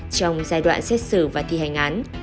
trong giai đoạn xét xử và thi hành án